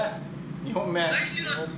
２本目。